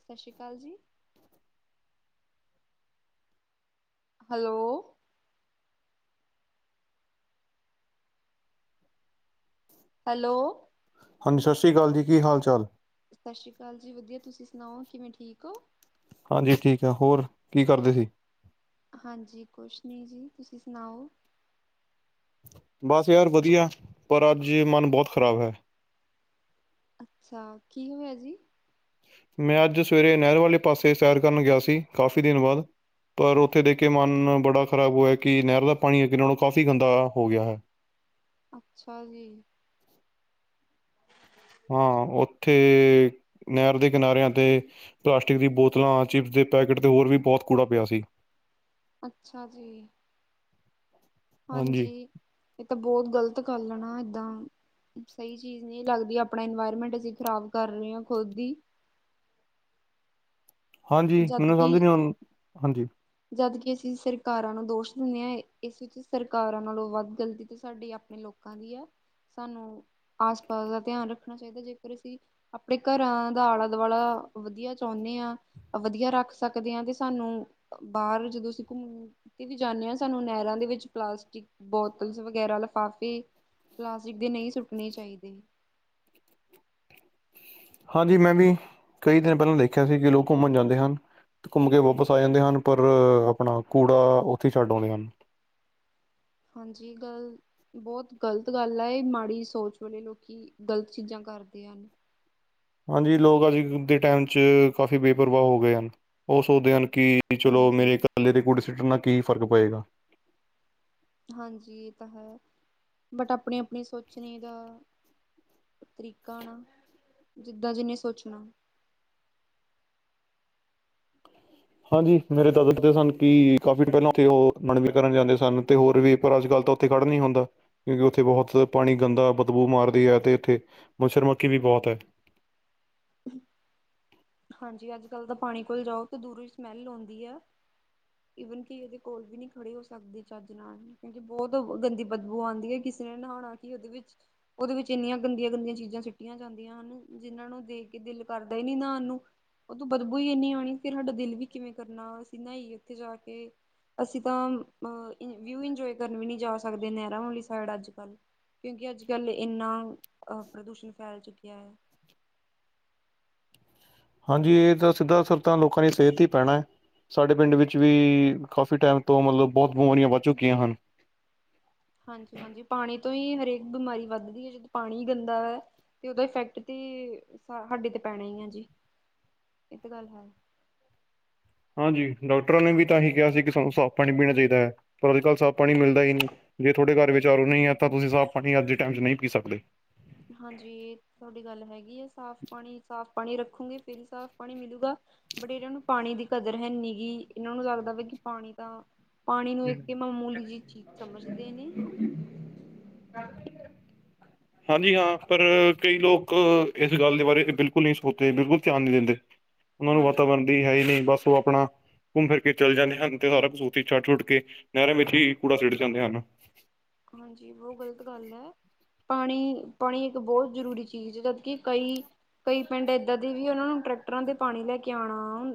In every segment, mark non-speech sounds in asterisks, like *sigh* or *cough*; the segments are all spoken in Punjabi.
ਸਤਿ ਸ੍ਰੀ ਅਕਾਲ ਜੀ। ਹੈਲੋ। ਹੈਲੋ। ਹਾਂਜੀ, ਸਤਿ ਸ਼੍ਰੀ ਅਕਾਲ ਜੀ ਕੀ ਹਾਲ ਚਾਲ? ਸਤਿ ਸ੍ਰੀ ਅਕਾਲ ਜੀ, ਵਧੀਆ ਤੁਸੀਂ ਸੁਣਾਓ ਕਿਵੇਂ ਠੀਕ ਹੋ? ਹਾਂਜੀ, ਠੀਕ ਹੈ ਹੋਰ ਕੀ ਕਰਦੇ ਸੀ? ਹਾਂਜੀ, ਕੁਛ ਨੀ ਜੀ ਤੁਸੀਂ ਸੁਣਾਓ। ਬਸ ਯਾਰ ਵਧੀਆ ਪਰ ਅੱਜ ਮਨ ਬਹੁਤ ਖ਼ਰਾਬ ਹੈ। ਅੱਛਾ, ਕੀ ਹੋਇਆ ਜੀ? ਮੈਂ ਅੱਜ ਸਵੇਰੇ ਨਹਿਰ ਵਾਲੇ ਪਾਸੇ ਸੈਰ ਕਰਨ ਗਿਆ ਸੀ ਕਾਫ਼ੀ ਦਿਨ ਬਾਅਦ। ਪਰ ਉੱਥੇ ਦੇਖ ਕੇ ਮਨ ਬੜਾ ਖ਼ਰਾਬ ਹੋਇਆ ਕਿ ਨਹਿਰ ਦਾ ਪਾਣੀ ਅੱਗੇ ਨਾਲੋਂ ਕਾਫ਼ੀ ਗੰਦਾ ਹੋ ਗਿਆ ਹੈ। *inaudible* ਅੱਛਾ ਜੀ। ਹਾਂ, ਉੱਥੇ ਨਹਿਰ ਦੇ ਕਿਨਾਰਿਆਂ ਤੇ ਪਲਾਸਟਿਕ ਦੀ ਬੋਤਲਾਂ ਚਿਪਸ ਦੇ ਪੈਕੇਟ ਤੇ ਹੋਰ ਵੀ ਬਹੁਤ ਕੂੜਾ ਪਿਆ ਸੀ ਤੇ ਅੱਛਾ ਜੀ। ਹਾਂਜੀ। ਇਹ ਤਾ ਬਹੁਤ ਗਲਤ ਗੱਲ ਆ ਨਾ ਏਦਾ - ਸਹੀ ਚੀਜ ਨੀ ਲੱਗਦੀ ਆਪਣਾ ਇਨਵਾਇਰਮੈਂਟ ਅਸੀ ਖਰਾਬ ਕਰ ਰਹੇ ਆ ਖੁਦ ਹੀ। *inaudible* ਹਾਂਜੀ ਜਦ ਮੈਨੂੰ ਕਿ, ਸਮਝ ਨਹੀਂ ਆਉਣ ਹਾਂਜੀ ਜਦ ਕਿ ਅਸ- ਸੀ ਸਰਕਾਰਾ ਨੂੰ ਦੋਸ਼ ਦਿਨੇ ਆ, ਇਸ ਵਿੱਚ ਸਰਕਾਰਾ ਨਾਲੋ ਵੱਧ ਗਲਤੀ ਤਾ ਸਾਡੀ ਆਪਣੇ ਲੋਕਾਂ ਦੀ ਆ। ਸਾਨੂੰ ਆਸ- ਪਾਸ ਦਾ ਧਿਆਨ ਰੱਖਣਾ ਚਾਹੀਦਾ ਜੇਕਰ ਅਸੀ ਆਪਣੇ ਘਰਾ ਦਾ ਆਲਾ- ਦੁਆਲਾ- ਵਧੀਆ ਚਾਉਣੇ ਆ। ਵਧੀਆ ਰੱਖ ਸਕਦੇ ਆ ਤੇ ਸਾਨੂੰ, ਬਾਹਰ ਜਦੋ ਅਸੀ ਘੁੰਮਣ ਤੇ ਵੀ ਜਾਂਦੇ ਆ ਸਾਨੂੰ ਨਹਿਰਾ ਦੇ- ਵਿੱਚ ਪਲਾਸਟਿਕ ਬੋਤਲਸ ਵਗੈਰਾ ਲਿਫਾਫੇ ਪਲਾਸਟਿਕ ਦੇ ਨਹੀ ਸੁੱਟਣੇ ਚਾਹੀਦੇ। *unintelligible* ਹਾਂਜੀ। ਮੈ ਵੀ, ਕਈ ਦਿਨ ਪਹਿਲਾ ਦੇਖਿਆ ਸੀ ਕਿ ਲੋਕ ਘੁੰਮਣ ਜਾਂਦੇ ਹਨ। ਘੁੰਮ ਕੇ ਵਾਪਸ ਆ ਜਾਂਦੇ ਹਨ ਪਰ ਆਪਣਾ ਕੂੜਾ ਉੱਥੇ ਛੱਡ ਆਉਂਦੇ ਹਨ। *inaudible* ਹਾਂਜੀ। ਗੱਲ ਬਹੁਤ ਗਲਤ ਗੱਲ ਆ। ਇਹ ਮਾੜੀ ਸੋਚ ਵਾਲੇ ਲੋਕੀ ਗਲਤ ਚੀਜਾਂ ਕਰਦੇ ਆ। *inaudible* ਹਾਂਜੀ। ਲੋਕ ਅੱਜ ਦੇ ਟਾਈਮ ਚ ਕਾਫ਼ੀ ਬੇਪਰਵਾਹ ਹੋ ਗਏ ਹਨ। ਉਹ ਸੋਚਦੇ ਹਨ- ਕਿ ਚਲੋ, ਹਾਂਜੀ ਮੇਰੇ ਇਕੱਲੇ ਦੇ ਕੁੜੇ ਸੁੱਟਣ ਨਾਲ ਕੀ ਫਰਕ ਪਏਗਾ। ਹਾਂਜੀ। ਇਹ ਤਾ ਹੈ ਬਟ ਆਪਣੀ -ਆਪਣੀ ਸੋਚਣੀ ਦਾ- ਤਰੀਕਾ ਨਾ, ਜਿੱਦਾ ਜਿਨੇ ਸੋਚਣਾ। ਹਾਂਜੀ। ਮੇਰੇ ਦਾਦਾ ਦਸਦੇ ਸਨ ਕਿ ਕਾਫੀ ਪਹਿਲਾਂ ਉੱਥੇ ਉਹ ਮਨਵੇ ਕਰਨ ਜਾਂਦੇ ਸਨ। ਤੇ ਹੋਰ ਵੀ ਪਰ ਅੱਜ ਕੱਲ- ਤਾ ਉੱਥੇ ਖੜ ਨੀ ਹੁੰਦਾ। ਕਿਉਕਿ ਉੱਥੇ ਬਹੁਤ ਪਾਣੀ ਗੰਦਾ ਬਦਬੂ ਮਾਰਦੀ ਆ ਤੇ ਉੱਥੇ ਮੱਛਰ- ਮੱਖੀ ਵੀ ਬਹੁਤ ਐ। ਹਾਂਜੀ। ਅੱਜ ਕੱਲ ਤਾ ਪਾਣੀ ਕੋਲ ਜਾਓ ਤੇ ਦੂਰੋ ਈ ਸਮੈਲ ਆਉਦੀ ਆ। ਈਵਨ ਕਿ ਇਹਦੇ ਕੋਲ ਵੀ ਨੀ ਖੜੇ ਹੋ ਸਕਦੇ ਚੱਜ ਨਾਲ ਕਿਉਕਿ ਬਹੁਤ ਗੰਦੀ ਬਦਬੂ ਆਉਦੀ ਆ। ਕਿਸ- ਸੇ ਨੇ ਨਹਾਉਣਾ ਕਿ ਉਹਦੇ ਵਿੱਚ ਉਹਦੇ ਵਿੱਚ ਇੰਨੀਆ ਗੰਦੀਆ- ਗੰਦੀਆ ਚੀਜਾਂ ਸਿੱਟਿਆ ਜਾਂਦੀਆ ਹਨ। ਜਿਹਨਾ ਨੂੰ ਦੇਖ ਕੇ- ਦਿਲ ਕਰਦਾ ਈ ਨੀ ਨਹਾਣ ਨੂੰ। ਉਥੋ ਬਦਬੂ ਈ ਇੰਨੀ ਆਉਣੀ। ਫਿਰ ਸਾਡਾ ਦਿਲ ਵੀ ਕਿਵੇ ਕਰਨਾ ਅਸੀ ਨਾਈਏ ਉੱਥੇ ਜਾ ਕੇ। ਅਸੀ ਤਾ ਅ ਵਿਊ, ਇੰਜੋਏ ਕਰਨ ਵੀ ਨੀ ਜਾ ਸਕਦੇ। ਨਹਿਰਾ ਵਾਲੀ ਸਾਈਡ ਅੱਜ -ਕੱਲ ਕਿਉਕਿ ਅੱਜ - ਕੱਲ ਇੰਨਾ, ਅਹ - ਪ੍ਰਦੂਸ਼ਣ ਫੈਲ ਚੁੱਕਿਆ ਆ। *inaudible* ਹਾਂਜੀ। ਇਹ ਦਾ ਸਿੱਧਾ ਅਸਰ ਤਾ ਲੋਕਾਂ ਦੀ ਸਿਹਤ 'ਤੇ ਹੀ ਪੈਣਾ ਐ। ਸਾਡੇ ਪਿੰਡ ਵਿੱਚ, ਵੀ ਕਾਫੀ ਟਾਈਮ ਤੋ ਮਤਲਬ ਬਹੁਤ- ਬਿਮਾਰੀਆਂ ਵੱਧ *unintelligible* ਚੁੱਕੀਆਂ ਹਨ। ਹਾਂਜੀ ਹਾਂਜੀ ਪਾਣੀ ਤੋ ਹੀ ਇਹ - *inaudible* ਹਰੇਕ ਬਿਮਾਰੀ ਵੱਧਦੀ ਐ, ਜਦੋ ਪਾਣੀ ਈ ਗੰਦਾ ਐ, ਤੇ ਉਹਦਾ ਫੈਕਟ ਤੇ ਸਾਡੇ ਤੇ ਪੈਣਾ ਈ ਐ। ਹਾਂਜੀ, ਇਹ 'ਤੇ ਗੱਲ ਹੈ। ਹਾਂਜੀ, ਡਾਕਟਰਾ ਨੇ ਵੀ ਤਾ ਇਹੀ ਕਿਹਾ, ਸੀ ਕਿ ਸਾਨੂੰ ਸਾਫ ਪਾਣੀ ਪੀਣਾ ਚਾਹੀਦਾ ਐ, ਪਰ ਅੱਜ ਕੱਲ ਸਾਫ ਪਾਣੀ ਮਿਲਦਾ ਈ ਨੀ। ਜੇ, ਤੁਹਾਡੇ ਘਰ ਵਿਚ ਆਰੋ, ਨਹੀ ਹੈ ਤਾ ਤੁਸੀ ਸਾਫ ਪਾਣੀ, ਅੱਜ ਦੇ ਟਾਈਮ 'ਚ ਨਹੀ ਪੀ ਸਕਦੇ। ਹਾਂਜੀ, ਤੁਹਾਡੀ ਗੱਲ ਹੈਗੀ ਆ ਸਾਫ ਸਾਫ ਪਾਣੀ ਰੱਖੋਗੇ ਫਿਰ, ਸਾਫ ਪਾਣੀ ਮਿਲੇਗਾ, ਬਟ ਇਹਨਾ ਨੂੰ ਪਾਣੀ ਦੀ ਕਦਰ ਹੈਨੀ ਗੀ, ਇਹਨਾ ਨੂੰ ਲੱਗਦਾ ਵਾ ਕਿ ਪਾਣੀ ਤਾ- ਪਾਣੀ ਨੂੰ, ਇੱਕ ਮਾਮੂਲੀ ਜਿਹੀ ਚੀਜ ਸਮਝਦੇ ਨੇ? *inaudible* *inaudible* ਹਾਂਜੀ - ਹਾ ਪਰ ਕਈ ਲੋਕ ਉਹਨਾ ਨੂੰ ਹਾਂਜੀ ਵਾਤਾਵਰਨ ਦੀ ਹੈ ਈ ਨੀ, ਬਸ ਉਹ ਆਪਣਾ ਘੁੰਮ ਫਿਰ ਕੇ ਚੱਲੇ ਜਾਂਦੇ ਹਨ। ਤੇ ਸਾਰਾ ਕੁਛ ਉਥੇ ਈ ਛਡ-ਛੂਡ ਕਿ ਨਹਿਰਾ ਵਿੱਚ, ਹੀ ਕੂੜਾ ਸਿੱਟ ਜਾਂਦੇ ਹਨ। ਹਾਂਜੀ ਬਹੁਤ ਗਲਤ ਗੱਲ ਐ, ਪਾਣੀ ਪਾਣੀ ਇੱਕ ਬਹੁਤ ਜਰੂਰੀ ਚੀਜ, ਜਦ ਕਿ ਕਈ- ਕਈ ਪਿੰਡ, ਏਦਾ ਦੇ ਵੀ ਉਹਨਾ ਨੂੰ ਟਰੈਕਟਰਾ, ਤੇ ਪਾਣੀ ਲੈ ਕੇ ਆਉਣਾ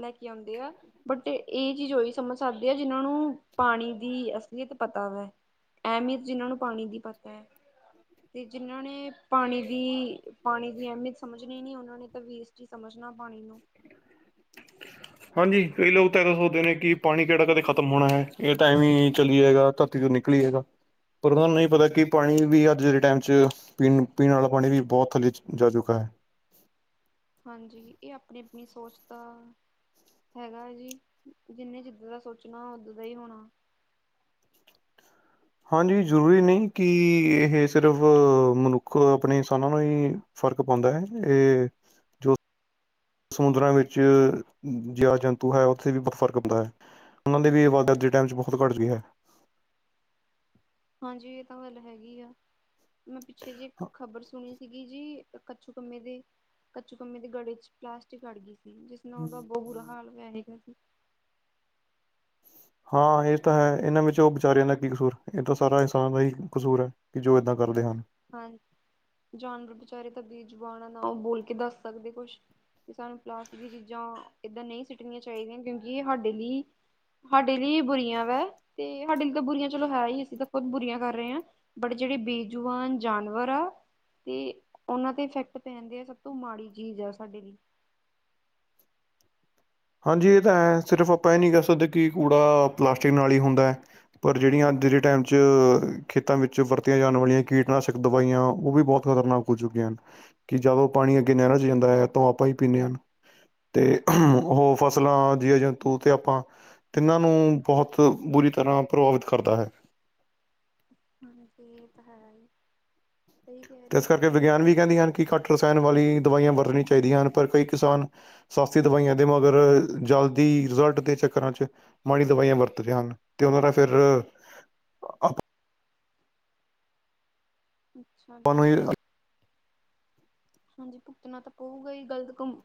ਲੈ ਕੇ ਆਉਦੇ ਆ, ਬਟ ਇਹ ਚੀਜ ਉਹੀ ਸਮਝ ਸਕਦੇ ਆ, ਜਿਹਨਾ ਨੂੰ ਪਾਣੀ ਦੀ ਅਸਲੀਅਤ ਪਤ ਪਤਾ ਵਾ ਅਹਿਮੀਅਤ, ਜਿਨਾ ਨੂੰ ਪਾਣੀ ਦੀ ਪਤਾ ਐ - ਤੇ ਜਿਨਾਂ ਨੇ, ਪਾਣੀ ਦੀ ਪਾਣੀ ਦੀ ਅਹਿਮੀਅਤ, ਸਮਝਣੀ ਨਈ, ਉਹਨਾਂ ਨੇ ਤਾਂ ਵੇਸਟ ਸਮਝ ਨਾ ਪਾਣੀ ਨੂੰ ਠ *inaudible* ਹਾਂਜੀ, ਕਈ ਲੋਕ ਤਾਂ ਦ ਸੋਚਦੇ ਨੇ ਕਿ ਪਾਣੀ, ਕਿਹੜਾ ਕਦੇ ਖਤਮ ਹੋਣਾ ਹੈ। ਇਹ ਟਾਈਮ ਹੀ ਚੱਲਏਗਾ ਧਰਤੀ ਤੋਂ ਨਿਕਲ ਲੀਏਗਾ ਪਰ ਉਹਨਾਂ ਨੂੰ ਨਹੀਂ ਪਤਾ ਕਿ ਪਾਣੀ ਵੀ ਅੱਜ ਦੇ ਟਾਈਮ *inaudible* *inaudible* ਵਿੱਚ ਪੀਣ, ਪੀਣ ਵਾਲਾ ਪਾਣੀ ਵੀ ਬਹੁਤ ਥੱਲੇ ਜਾ ਚੁੱਕਾ ਹੈ। ਹਾਂਜੀ, ਇਹ ਆਪਣੀ ਆਪਣੀ ਸੋਚ ਦਾ ਹੈਗਾ ਹੈ ਜੀ, ਜਿੰਹਨੇ ਜਿੱਦਾਂ ਦਾ ਸੋਚਣਾ ਉਓਦ ਦਾ ਹੀ ਹੋਣਾ। *unintelligible* ਹਾਂਜੀ, ਜ਼ਰੂਰੀ ਨਹੀਂ ਕਿ ਇਹ ਸਿਰ ਮਨੁੱਖ ਆਪਣੇ ਕਿਸਾਨਾਂ ਨੂੰ ਹੀ। ਫ਼ਰਕ, ਪਾਉਂਦਾ ਹੈ ਇਹ ਜੋ ਸਮੁੰਦਰਾਂ ਵਿੱਚ, ਜਿਆ ਜੰਤੂ ਹੈ ਉੱਥੇ ਵੀ ਬੜਾ ਫਰਕ ਹੁੰਦਾ। ਉਹਨਾਂ, ਦੀ ਵੀ ਆਵਾਜ਼ ਅੱਜ ਦੇ ਟਾਈਮ ' ਬਹੁਤ ਘੱਟ ਗਈ ਹੈ। ਹਾਂਜੀ, ਇਹ ਤਾਂ ਗੱਲ ਹੈਗੀ ਆ, ਮੈਂ ਪਿੱਛੇ ਜਿ ਇੱਕ ਖ਼ਬਰ ਸੁਣੀ ਸੀਗੀ ਜੀ? ਕੁਛੋਂਕੁੱਮੇ ਕੁਛੋਂ ਕੰਮੇ ਦੇ ਗਲੇੇ ਚ ਪਲਾਸਟਿਕ, ਅੜ ਗਈ ਸੀ। ਜਿਸ ਨਾਲ, ਉਹਦਾ ਬਹੁਤ ਬੁਰਾ ਹਾਲ ਹੋਇਆ ਜੇ? ਹਾਂ ਇਹ ਤਾਂ ਹੈ ਇਹਨਾਂ ਵਿੱਚ ਉਹ ਵਿਚਾਰਿਆਂ ਦਾ ਕੀ ਕਸੂਰ ਇਹ ਤਾਂ ਸਾਰਾ ਇਨਸਾਨ ਦਾ ਹੀ ਕਸੂਰ ਹੈ ਕਿ ਜੋ ਇੱਦਾਂ ਕਰਦੇ ਹਨ। *inaudible* ਹਾਂ ਜਾਨਵਰ, ਵਿਚਾਰੇ ਤਾਂ ਬੇਜੁਬਾਨ ਆ ਨਾ ਉਹ ਬੋਲ ਕੇ ਦੱਸ ਸਕਦੇ ਕੁਛ। ਤੇ ਸਾਨੂੰ, ਪਲਾਸਟਿਕ ਦੀ ਚੀਜ਼ਾਂ ਏਦਾਂ ਨਈ ਸਿੱਟਣੀਆ ਚਾਹੀਦੀਆਂ, ਕਿਉਂਕਿ ਇਹ ਸਾਡੇ ਲਈ ਸਾਡੇ ਲਈ ਬੁਰੀਆਂ ਵਾ, ਤੇ ਸਾਡੇ ਲਈ ਤਾਂ ਬੁਰੀਆਂ ਚਲੋ ਹੈ ਹੀ, ਅਸੀਂ ਤਾਂ ਖੁਦ ਬੁਰੀਆਂ ਕਰ ਰਹੇ ਹਾਂ ਬੜੇ ਜਿਹੜੇ, ਬੇਜੁਬਾਨ? ਜਾਨਵਰ, ਆ ਤੇ ਉਹਨਾਂ ਤੇ ਇਫੈਕਟ ਪੈਂਦੇ ਆ ਸਭ ਤੋਂ ਮਾੜੀ ਚੀਜ਼, ਆ ਸਾਡੇ ਲਈ *unintelligible* ਹਾਂਜੀ, ਇਹ ਤਾਂ ਹੈ ਸਿਰਫ ਆਪਾਂ ਇਹ ਨਹੀਂ ਕਹਿ ਸਕਦੇ ਕਿ, ਕੂੜਾ ਪਲਾਸਟਿਕ ਨਾਲ ਹੀ ਹੁੰਦਾ ਹੈ। ਪਰ ਜਿਹੜੀਆਂ ਜਿਹੜੇ, ਟਾਈਮ 'ਚ ਖੇਤਾਂ ਵਿੱਚ ਵਰਤੀਆਂ ਜਾਣ ਵਾਲੀਆਂ, ਕੀਟਨਾਸ਼ਕ ਦਵਾਈਆਂ, ਉਹ ਵੀ ਬਹੁਤ ਖਤਰਨਾਕ ਹੋਜ ਕਿ ਜਦੋਂ ਪਾਣੀ ਅੱਗੇ ਨਹਿਰਾਂ ਚ ਜਾਂਦਾ ਹੈ ਤਾਂ ਆਪਾਂ ਹੀ ਪੀਂਦੇ ਹਾਂ ਤੇ *unintelligible* ਉਹ ਫਸਲਾਂ, ਜੀਵ, ਜੰਤੂ, ਤੇ ਆਪਾਂ ਤਿੰਨਾਂ ਨੂੰ ਬਹੁਤ ਬੁਰੀ ਤਰ੍ਹਾਂ ਪ੍ਰਭਾਵਿਤ ਕਰਦੀਆਂ ਨੇ। ਤਾਂ। *unintelligible* ਹਾਂਜੀ, ਇਹ ਤਾਂ ਹੈ ਈ ਤੇ ਇਸ ਕਰਕੇ ਵਿਗਿਆਨ, ਵੀ ਕਹਿੰਦੇ ਹਨ ਕਿ ਘੱਟ ਰਸਾਇਣ ਵਾਲੀ ਦਵਾਈਆਂ, ਵਰਤੀਆਂ ਚਾਹੀਦੀਆਂ ਹਨ। ਪਰ ਕਈ ਕਿਸਾਨ ਸਸਤੀਆ ਦਵਾਈਆਂ ਦੇ ਮਗਰ, ਜਲਦੀ ਰਿਜ਼ਲਟ ਦੇ ਚ ਚੱਕਰਾਂ ਚ, ਮਾੜੀ ਦਵਾਈਆਂ ਵਰਤਦੇ ਹਨ। ਤੇ ਉਹਨਾਂ ਦਾ ਫਿਰ‌ ਅੱਛਾ ਨੂੰ ਜੀ। ਹੀ ਹਾਂਜੀ ਭੁਗਤਣਾ ਤਾਂ ਪਊਗਾ ਹੀ, ਗ਼ਲਤ ਕੰਮ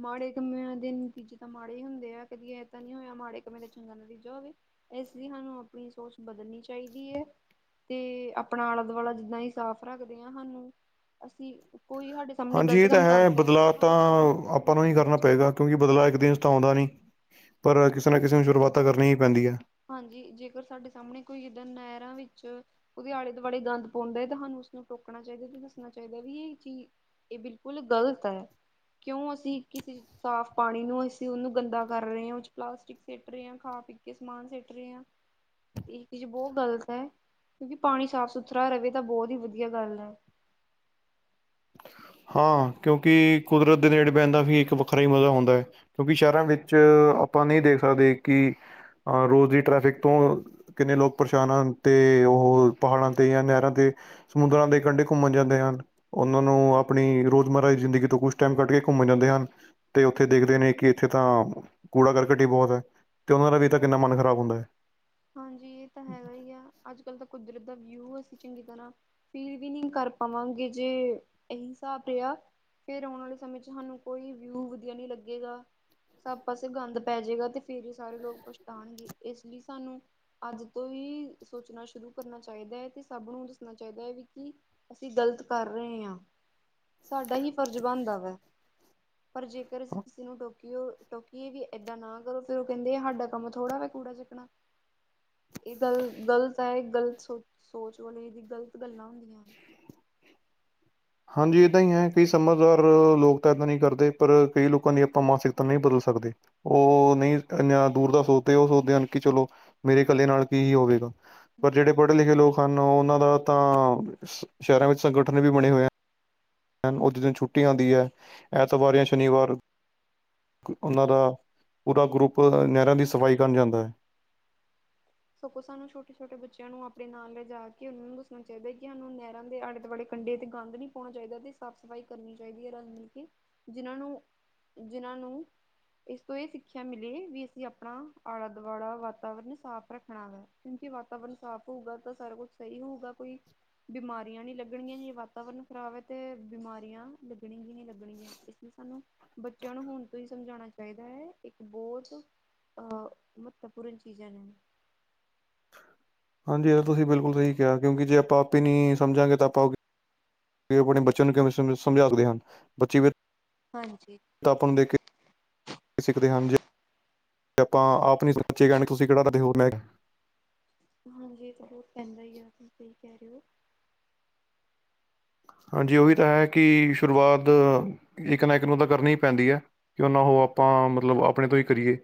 ਮਾੜੇ ਕੰਮਿਆਂ ਦੇ ਨਤੀਜੇ ਤਾਂ ਮਾੜੇ ਹੀ ਹੁੰਦੇ ਆ, ਕਦੀ ਇਹ ਤਾਂ ਨਹੀਂ ਹੋਇਆ ਮਾੜੇ ਕੰਮਾਂ ਦਾ ਚੰਗਾ ਨਤੀਜਾ ਹੋਵੇ। ਇਸ ਲਈ ਸਾਨੂੰ, ਆਪਣੀ ਸੋਚ ਬਦਲਣੀ ਚਾਹੀਦੀ ਹੈ। ਤੇ ਆਪਣਾ ਆਲਾ ਦੁਆਲਾ, ਜਿੱਦਾਂ ਹੀ ਸਾਫ਼ ਰੱਖਦੇ ਹਾਂ ਸਾਨੂੰ ਅਸੀਂ ਕੋਈ ਸਾਡੇ ਸਾਹਮਣੇ ਹਾਂਜੀ ਗ਼ਲਤ ਇਹ ਤਾਂ ਕੰਮ ਹੈ, ਕਰਦਾ ਬਦਲਾਅ ਤਾਂ ਉਸਨੂੰ ਸਾਨੂੰ ਆਪਾਂ ਨੂੰ ਹੀ ਸਮਝਾਉਣਾ ਵੀ ਕਰਨਾ ਪਏਗਾ, ਚਾਹੀਦਾ। ਕਿਉਂਕਿ ਬਦਲਾਅ ਇੱਕ ਦਿਨ 'ਚ ਤਾਂ ਆਉਂਦਾ ਨਹੀਂ। ਪਰ ਕਿਸੇ ਨਾ ਕਿਸੇ ਨੂੰ, ਸ਼ੁਰੂਆਤ ਕਰਨੀ ਹੀ ਪੈਂਦੀਆਂ। ਹਾਂਜੀ, ਜੇਕਰ ਸਾਡੇ ਸਾਹਮਣੇ ਕੋਈ ਇੱਦਾਂ ਨਹਿਰਾਂ ਵਿੱਚ ਉਹਦੇ ਆਲੇ -ਦੁਆਲੇ ਗੰਦ ਪਾਉਂਦਾ ਹੈ ਤੇ ਸਾਨੂੰ ਉਸਨੂੰ ਟੋਕਣਾ ਚਾਹੀਦਾ, ਤੇ ਦੱਸਣਾ ਚਾਹੀਦਾ, ਵੀ ਇਹ ਚੀ ਇਹ ਬਿਲਕੁਲ ਗ਼ਲਤ ਹੈ। ਕਿਉਂ ਅਸੀਂ ਕਿਸੇ ਸਾਫ਼ ਪਾਣੀ ਨੂੰ ਅਸੀਂ ਉਹਨੂੰ ਗੰਦਾ ਕਰ ਰਹੇ ਹਾਂ, ਉਹ ਪਲਾਸਟਿਕ ਸਟ ਰਹੇ ਹਾਂ ਖਾ ਪੀ ਕੇ *unintelligible* *unintelligible* ਸਮਾਨ ਸਿੱਟ ਰਹੇ ਆ, ਇਹ ਚੀਜ਼ ਬਹੁਤ ਗ਼ਲਤ ਹੈ। ਕਿਉਂਕਿ, ਪਾਣੀ ਸਾਫ਼ ਸੁਥਰਾ ਰਹੇ, ਤਾਂ ਬਹੁਤ ਹੀ ਵਧੀਆ ਗੱਲ ਹੈ। *unintelligible* ਹਾਂ, ਕਿਉਂਕਿ ਕੁਦਰਤ ਦੇ ਨੇੜੇ ਬਹਿਣ ਦਾ ਵੀ ਇੱਕ ਵੱਖਰਾ ਹੀ ਮਜ਼ਾ ਹੁੰਦਾ ਹੈ, ਕਿਉਂਕਿ ਸ਼ਹਿਰਾਂ ਵਿੱਚ ਆਪਾਂ ਨਹੀਂ ਦੇਖ ਸਕਦੇ ਕਿ ਅਹ ਰੋਜ਼ ਦੀ ਟ੍ਰੈਫਿਕ ਤੋਂ ਕਿੰਨੇ ਲੋਕ ਪਰੇਸ਼ਾਨ ਹਨ। ਤੇ ਉਹ ਪਹਾੜਾਂ ਤੇ ਜਾਂ ਨਹਿਰਾਂ ਤੇ ਸਮੁੰਦਰਾਂ ਦੇ ਕੰਢੇ ਘੁੰਮਣ ਜਾਂਦੇ ਹਨ ਉਹਨਾਂ ਨੂੰ ਆਪਣੀ ਰੋਜ਼ਮਰਾ ਦੀ ਜ਼ਿੰਦਗੀ ਤੋਂ ਕੁਛ ਟਾਈਮ ਕੱਢ ਕੇ ਘੁੰਮਣ ਜਾਂਦੇ ਹਨ, ਤੇ ਉੱਥੇ ਦੇਖਦੇ ਨੇ ਕਿ ਇੱਥੇ ਤਾਂ ਕੂੜਾ -ਕਰਕਟ, ਹੀ ਬਹੁਤ ਹੈ ਤੇ ਉਹਨਾਂ ਦਾ ਵੀ ਤਾਂ ਕਿੰਨਾ ਮਨ ਖ਼ਰਾਬ ਹੁੰਦਾ ਹੈ। ਹਾਂਜੀ, ਇਹ ਤਾਂ ਹੈਗਾ ਹੀ ਆ ਅੱਜ ਕੱਲ ਤਾਂ ਕੁਦਰਤ ਦਾ ਵਿਊ ਅ ਸੀ। ਚੰਗੀ ਤਰ੍ਹਾਂ ਫੀਲ ਵੀ ਨਹੀਂ ਕਰ ਪਾਵਾਂਗੇ, ਜੇ ਇਹੀ ਹਿਸਾਬ ਰਿਹਾ। ਫਿਰ ਆਉਣ ਵਾਲੇ ਸਮੇਂ ਚ, ਸਾਨੂੰ ਕੋਈ ਵਿਊ ਵਧੀਆ ਨਹੀਂ ਲੱਗੇਗਾ। ਸਭ ਪਾਸੇ ਗੰਦ ਪੈ ਜਾਏਗਾ, ਤੇ ਫੇਰ ਹੀ ਸਾਰੇ ਲੋਕ ਪਛਤਾਣਗੇ ਇਸ ਲਈ ਸਾਨੂੰ ਅੱਜ ਤੋਂ ਹੀ, ਸੋਚਣਾ ਸ਼ੁਰੂ ਗ਼ਲਤ ਕਰ ਰਹੇ ਹਾਂ, ਸਾਡਾ ਹੀ ਫਰਜ਼ ਬਣਦਾ ਵਾ। ਪਰ ਜੇਕਰ, ਅਸੀਂ ਕਿਸੇ ਨੂੰ ਟੋ ਟੋਕਿਏ ਵੀ ਏਦਾਂ ਨਾ ਕਰੋ ਫੇਰ ਉਹ ਕਹਿੰਦੇ ਸਾਡਾ ਕੰਮ ਥੋੜ੍ਹਾ ਵਾ ਕੂੜਾ ਚੁਕਣਾ। *unintelligible* ਇਹ ਗੱਲ ਗ਼ਲਤ ਹੈ, ਇਹ ਗਲਤ ਸੋਚ, ਸੋਚ ਵਾਲੇ ਦੀ ਗ਼ਲਤ ਗੱਲਾਂ ਹੁੰਦੀਆਂ ਨੇ। ਹਾਂਜੀ ਏਦਾਂ ਹੀ ਹੈ, ਕਈ ਸਮਝਦਾਰ ਲੋਕ ਤਾਂ ਇੱਦਾਂ ਨਹੀਂ ਕਰਦੇ, ਪਰ ਕਈ ਲੋਕਾਂ ਦੀ ਆਪਾਂ ਮਾਨਸਿਕਤਾ ਨਹੀਂ ਬਦਲ ਸਕਦੇ। *unintelligible* ਸਕਦੇ ਉਹ ਨਹੀਂ ਇਨਾ ਦੂਰ ਦਾ ਸੋਚਦੇ, ਉਹ ਸੋਚਦੇ ਹਨ ਕਿ ਚਲੋ ਮੇਰੇ ਇਕੱਲੇ ਨਾਲ ਕੀ ਹੀ ਹੋਵੇਗਾ। ਪਰ ਜਿਹੜੇ, ਹਨ। ਪੜ੍ਹੇ- ਲਿਖੇ ਲੋਕ ਹਨ, ਉਹਨਾਂ ਦਾ ਤਾਂ ਸ਼ਹਿਰਾਂ ਵਿੱਚ ਸੰਗਠਨ ਵੀ ਬਣੇ ਹੋਏ ਹੈ। ਉਸਦੇ ਦਿਨ ਛੁੱਟੀ ਆਉਂਦੀ ਹੈ, ਐਤਵਾਰ ਜਾਂ ਸ਼ਨੀਵਾਰ। ਉਨ੍ਹਾਂ ਦਾ, ਪੂਰਾ ਗਰੁੱਪ ਨਹਿਰਾਂ ਦੀ ਸਫਾਈ ਕਰਨ ਜਾਂਦਾ ਹੈ। ਸਗੋਂ ਸਾਨੂੰ ਛੋਟੇ -ਛੋਟੇ ਬੱਚਿਆਂ ਨੂੰ, ਆਪਣੇ ਨਾਲ ਲਿਜਾ ਕੇ ਉਹਨਾਂ ਨੂੰ ਦੱਸਣਾ ਚਾਹੀਦਾ ਹੈ, ਸਾਨੂੰ ਨਹਿਰਾਂ ਦੇ ਆਲੇੇ ਦੁਆਲੇ ਕੰਡੇ ਤੇ ਗੰਦ ਨੀ ਪਾਉਣਾ ਚਾਹੀਦਾ, ਤੇ ਸਾਫ਼ ਸਫ਼ਾਈ ਕਰਨੀ ਚਾਹੀਦੀ ਹੈ, ਰਲ -ਮਿਲ ਕੇ ਜਿਨਾਂ ਨੂੰ ਜਿਨਾਂ ਨੂੰ ਇਸ ਤੋਂ ਇਹ ਸਿੱਖਿਆ ਮਿਲੇ, ਵੀ ਅਸੀਂ ਆਪਣਾ ਆਲਾ ਦੁਆਲਾ ਵਾਤਾਵਰਨ ਸਾਫ਼ ਰੱਖ ਹਾਂ, ਕਿਉਂਕਿ ਵਾਤਾਵਰਨ ਸਾਫ਼ ਹੋਊਗਾ, ਤਾਂ ਸਾਰਾ ਕੁਛ ਸਹੀ ਹੋਊਗਾ, ਕੋਈ ਬਿਮਾਰੀਆਂ ਨੀ ਲੱਗਣੀਆਂ। ਵਾਤਾਵਰਨ ਖ਼ਰਾਬ ਹੈ, ਤੇ ਬਿਮਾਰੀਆਂ ਲੱਗਣੀ ਹੀ, ਲੱਗਣਗੀਆਂ ਇਸ ਲਈ ਸਾਨੂੰ ਬੱਚਿਆਂ ਨੂੰ ਹਣ। ਤੁਸੀ ਸਮਝਾਉਣਾ ਚਾਹੀਦਾ ਹੈ, ਇੱਕ ਬਹੁਤ ਅਹ ਮਹੱਤਵਪੂਰਨ ਚੀਜ਼ਾਂ ਨੇ। ਹਾਂਜੀ, ਇਹ ਤਾਂ ਤੁਸੀਂ ਬਿਲਕੁਲ ਸਹੀ ਕਿਹਾ ਕਿਉਂਕਿ ਜੇ ਆਪਾਂ, ਆਪ ਹੀ ਨਹੀਂ ਸਮਝਾਂਗੇ ਤਾਂ ਆਪਾਂ। ਕਿ ਉਹ ਆਪਣੇ ਬੱਚਿਆਂ, ਨੂੰ ਕਿਵੇਂ ਸਮ ਸਮਝਾ ਸਕਦੇ ਹਨ ਬੱਚੇ ਵੀ। ਹਾਂਜੀ ਤ ਆਪ ਨੂੰ ਦੇ ਕੇ *unintelligible* ਹਾਂਜੀ ਤਾਂ ਬਹੁਤ ਪੈਂਦਾ ਹੀ ਹੈ, ਤੁਸੀਂ ਸਹੀ ਕਹਿ ਰਹੇ ਹੋ। ਹਾਂਜੀ, ਉਹੀ ਤਾਂ ਹੈ ਕਿ, ਸ਼ੁਰੂਆਤ ਇੱਕ ਨਾ ਇੱਕ ਨੂੰ ਤਾਂ ਕਰਨੀ ਹੀ ਪੈਂਦੀ ਹੈ ਕਿਉਂ ਨਾ ਉਹ ਆਪਾਂ ਮਤਲਬ, ਆਪਣੇ ਤੋਂ ਹੀ ਕਰੀਏ,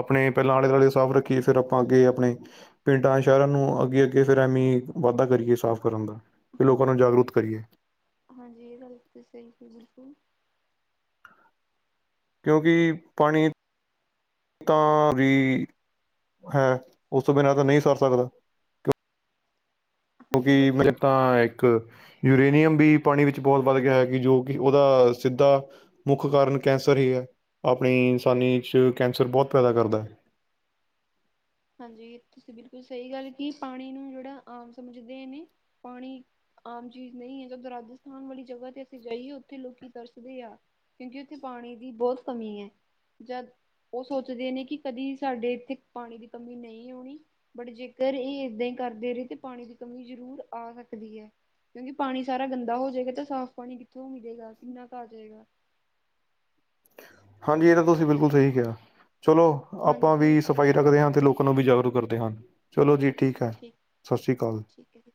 ਆਪਣੇ ਪਹਿਲਾਂ ਆਲੇ- ਦੁਆਲੇ ਸਾਫ਼ ਰੱਖੀਏ ਫੇਰ ਆਪਾਂ ਅੱਗੇ ਆਪਣੇ ਪਿੰਡਾਂ, ਸ਼ਹਿਰਾਂ ਨੂੰ ਅੱਗੇ- ਅੱਗੇ, ਫਿਰ ਐਵੇਂ ਵਾਧਾ ਕਰੀਏ ਸਾਫ਼ ਕਰਨ ਦਾ ਅਤੇ ਲੋਕਾਂ ਨੂੰ ਹਾਂਜੀ ਜਾਗਰੂਕ ਕਰੀਏ। ਹਾਂਜੀ, ਇਹ ਗੱਲ ਤੇ ਸਹੀ ਸੀ ਬਿਲਕੁਲ ਕਿਉਂਕਿ, ਪਾਣੀ ਤਾਂ ਵੀ ਹੈ। ਉਸ ਤੋਂ ਬਿਨਾਂ ਤਾਂ, ਨਹੀਂ ਸਰ ਸਕਦਾ ਕਿ ਹਾਂਜੀ ਕਿਉਂਕਿ, ਬਟ ਮੇ ਇਹ ਤਾਂ ਇੱਕ। ਯੂਰੇਨੀਅਮ ਵੀ ਪਾਣੀ ਵਿੱਚ ਬਹੁਤ ਵੱਧ ਗਿਆ ਹੈ। ਕਿ, ਜੋ ਕਿ ਉਹਦਾ ਸਿੱਧਾ, ਮੁੱਖ ਕਾਰਨ ਕੈਂਸਰ ਹੀ, ਹੈ। ਆਪਣੀ, ਇਨਸਾਨੀ, ਚ ਕੈਂਸਰ, ਬਹੁਤ ਪੈਦਾ ਕਰਦਾ ਹੈ। ਹਾਂਜੀ ਤੁਸੀਂ, ਬਿਲਕੁਲ ਸਹੀ ਗੱਲ ਕਿ, ਪਾਣੀ ਨੂੰ, ਜਿਹੜਾ ਆਮ ਸਮਝਦੇ ਨੇ। ਪਾਣੀ ਆਮ ਚੀਜ਼ ਨਹੀਂ ਹੈ। ਜਦੋਂ ਰਾਜਸਥਾਨ ਵਾਲੀ ਜਗਾ ਤੇ, ਅਸੀਂ ਜਾਈਏ। ਉੱਥੇ, ਲੋਕੀ ਤਰਸਦੇ ਆ। ਕਿਉਂਕਿ, ਉੱਥੇ, ਪਾਣੀ ਦੀ ਬਹੁਤ ਕਮੀ ਹੈ। ਜਦ, ਉਹ ਸੋਚਦੇ ਨੇ ਕਿ, ਕਦੀ ਸਾਡੇ ਇੱਥੇ ਪਾਣੀ ਦੀ ਕਮੀ ਨਹੀਂ ਆਉਣੀ। ਬਟ ਜੇਕਰ ਇਹ, ਏਦਾਂ ਹੀ, ਕਰਦੇ ਰਹੇ। ਤਾਂ, ਪਾਣੀ ਦੀ ਕਮੀ, ਜ਼ਰੂਰ ਆ ਸਕਦੀ ਹੈ। ਕਿਉਂਕਿ, ਪਾਣੀ ਸਾਰਾ ਗੰਦਾ ਹੋ ਜਾਏਗਾ। ਤਾਂ, ਸਾਫ਼ ਪਾਣੀ ਕਿੱਥੋਂ ਮਿਲੇਗਾ? ਕਿੰਨਾ ਕੁ ਆ ਜਾਏਗਾ। *inaudible* ਹਾਂਜੀ। ਇਹ ਤਾਂ, ਤੁਸੀਂ ਬਿਲਕੁਲ ਸਹੀ ਕਿਹਾ। ਚਲੋ, ਹਾਂਜੀ ਆਪਾਂ ਤੇ ਵੀ, ਸਫ਼ਾਈ ਰੱਖਦੇ ਹਾਂ। ਤੇ ਲੋਕ ਨੂੰ ਵੀ, ਜਾਗਰੂਕ, ਕਰਦੇ ਆ। ਚਲੋ ਜੀ। ਠੀਕ ਹੈ। ਸਤਿ ਸ਼੍ਰੀ ਅਕਾਲ। ਠੀਕ ਹੈ ਜੀ